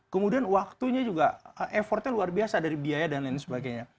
kemudian waktunya juga effortnya luar biasa dari biaya dan lain sebagainya